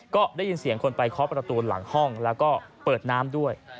ก็ได้ยินเสียงคนไปเคาะประตูหลังห้องแล้วก็เปิดน้ำด้วย